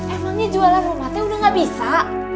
emangnya jualan rumah teh udah gak bisa